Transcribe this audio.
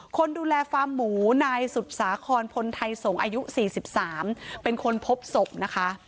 คนดูแลฟาร์มหมูนายสุดสาครพลไทยสงศ์อายุ๔๓เป็นคนพบศพนะคะ